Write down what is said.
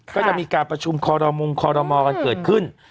ก็จะมีการประชุมคอรมงคอรมอกันเกิดขึ้น